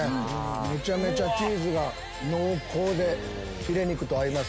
めちゃめちゃチーズが濃厚でフィレ肉と合います。